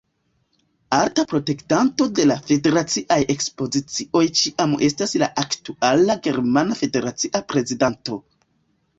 Alta protektanto de la federaciaj ekspozicioj ĉiam estas la aktuala germana federacia prezidanto.